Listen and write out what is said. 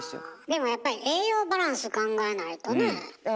でもやっぱり栄養バランス考えないとねえ。